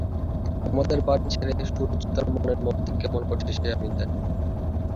তোমাদের বাড়ি ছেড়ে সুচরিতার মনের মধ্যে কেমন করছে সে আমি জানি।